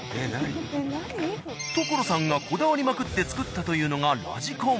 所さんがこだわりまくってつくったというのがラジコン。